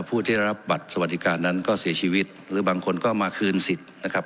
ผู้ที่รับบัตรสวัสดิการนั้นก็เสียชีวิตหรือบางคนก็มาคืนสิทธิ์นะครับ